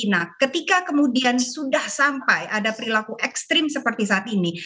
nah ketika kemudian sudah sampai ada perilaku ekstrim seperti saat ini